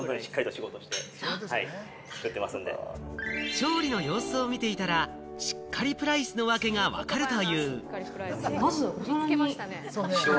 調理の様子を見ていたら、しっかりプライスの訳が分かるという。